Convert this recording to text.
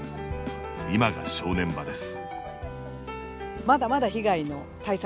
今が正念場です。